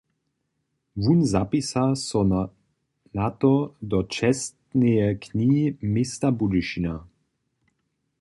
Wón zapisa so na to do čestneje knihi města Budyšina.